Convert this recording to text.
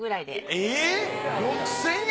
えぇ６，０００円！？